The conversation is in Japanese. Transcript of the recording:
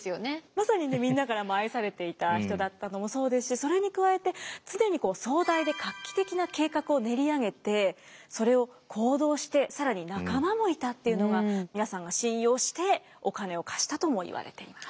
まさにねみんなからも愛されていた人だったのもそうですしそれに加えて常に壮大で画期的な計画を練り上げてそれを行動して更に仲間もいたっていうのが皆さんが信用してお金を貸したともいわれています。